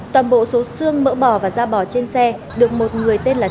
toàn bộ số xương mỡ bò và da bò trên xe được một người tên là